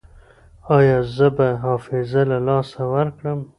ایا زه به حافظه له لاسه ورکړم؟